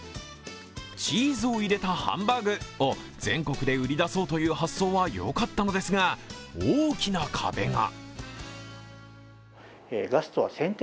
チーズを入れたハンバーグを全国で売り出そうという発想はよかったのですが、大きな壁が。